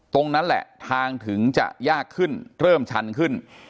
ตรงนั้นแหละทางถึงจะยากขึ้นเริ่มชันขึ้น